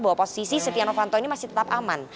bahwa posisi setia novanto ini masih tetap aman